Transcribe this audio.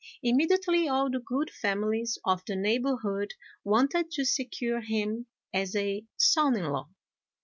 Immediately all the good families of the neighbourhood wanted to secure him as a son in law.